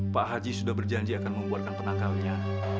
pak haji sudah berjanji akan membuarkan penangkalnya